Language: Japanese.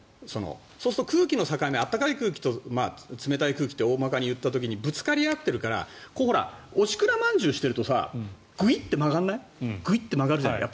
そうすると空気の境目暖かい空気と冷たい空気って大まかに言った時にぶつかりあっているからおしくらまんじゅうしてるとグイッて曲がるじゃない。